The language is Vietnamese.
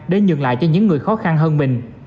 để nhường lại cho những người khó khăn hơn mình